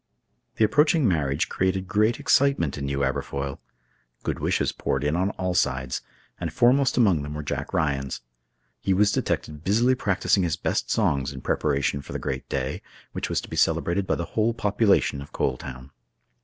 The approaching marriage created great excitement in New Aberfoyle. Good wishes poured in on all sides, and foremost among them were Jack Ryan's. He was detected busily practicing his best songs in preparation for the great day, which was to be celebrated by the whole population of Coal Town.